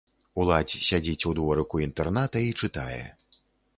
Уладзь сядзіць у дворыку інтэрната і чытае.